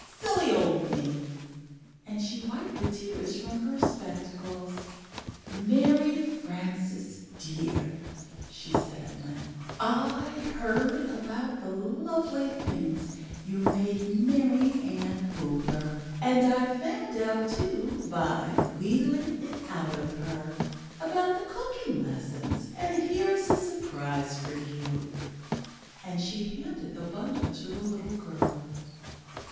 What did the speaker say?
Silly old me!" and she wiped the tears from her spectacles. "Mary Frances, dear," she said, at length, "I heard about the lovely things you made Mary Ann Hooper; and I found out, too, by wheedlin' it out of her, about the cooking lessons and here's a surprise for you," and she handed the bundle to the little girl.